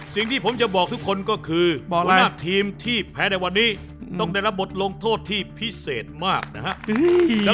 สิ่งที่ผมจะบอกทุกคนก็คือทีมที่แพ้ในวันนี้ต้องได้รับบทลงโทษที่พิเศษมากนะครับ